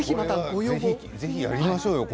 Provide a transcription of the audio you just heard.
ぜひ、やりましょうよ。